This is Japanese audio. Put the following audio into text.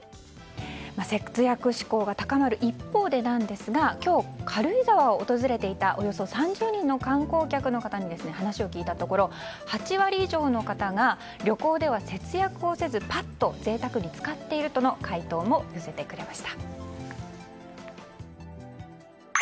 節約志向が高まる一方でですが今日、軽井沢を訪れていたおよそ３０人の観光客の方に話を聞いたところ８割以上の方が旅行では節約をせずぱっと贅沢に使っているとの回答も寄せてくれました。